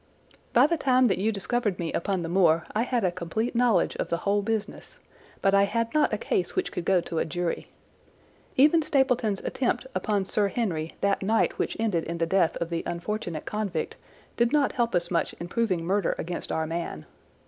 "By the time that you discovered me upon the moor I had a complete knowledge of the whole business, but I had not a case which could go to a jury. Even Stapleton's attempt upon Sir Henry that night which ended in the death of the unfortunate convict did not help us much in proving murder against our man.